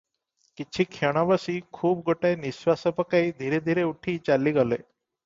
କିଛିକ୍ଷଣ ବସି ଖୁବ୍ ଗୋଟାଏ ନିଶ୍ୱାସ ପକାଇ ଧୀରେ ଧୀରେ ଉଠି ଚାଲିଗଲେ ।